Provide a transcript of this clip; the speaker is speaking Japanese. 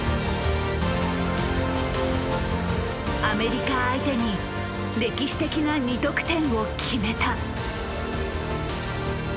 アメリカ相手に歴史的な２得点を決めた。